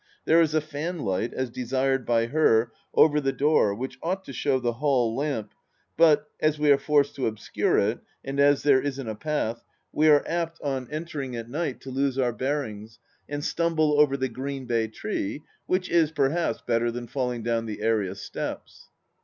There is a fanlight, as desired by her, over the door which ought to show the hall lamp, out as we are forced to obscure it, and as there isn't a path, we are apt, on entering 237 288 THE LAST DITCH at night, to lose our bearings and stumble over the green bay tree, which is perhaps better than falling down the area steps.